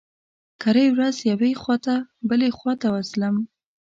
کرۍ ورځ يوې خوا ته بلې خوا ته ځلم.